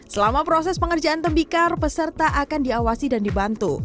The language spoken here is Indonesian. selama proses pengerjaan tembikar peserta akan diawasi dan dibantu